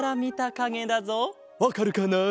わかるかな？